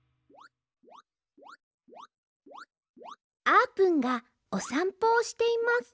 あーぷんがおさんぽをしています